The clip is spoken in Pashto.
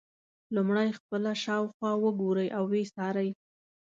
لومړی خپله شاوخوا وګورئ او ویې څارئ.